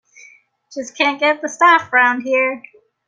Just can't get the staff round here.